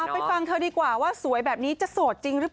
ไปฟังเธอดีกว่าว่าสวยแบบนี้จะโสดจริงหรือเปล่า